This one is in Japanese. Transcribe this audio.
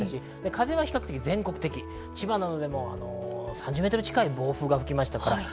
風は比較的、全国的に、千葉などでも３０メートル近い暴風が吹きました。